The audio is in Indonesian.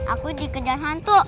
aku dikejar hantu